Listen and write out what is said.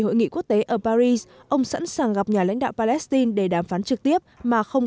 hội nghị quốc tế ở paris ông sẵn sàng gặp nhà lãnh đạo palestine để đàm phán trực tiếp mà không